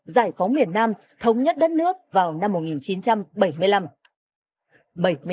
giải phóng miền nam thống nhất đất nước vào năm một nghìn chín trăm bảy mươi năm